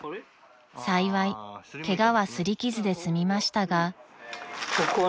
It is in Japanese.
［幸いケガは擦り傷で済みましたが］